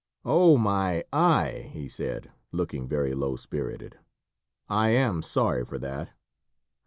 "Oh! my eye!" he said, looking very low spirited, "I am sorry for that."